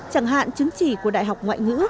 chẳng hạn chứng chỉ của đại học ngoại ngữ